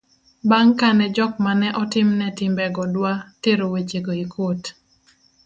bang' kane jok mane otimne timbego dwa tero weche go e kot